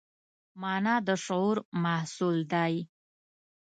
مانا د شعور محصول دی.